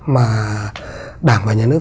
mà đảng và nhà nước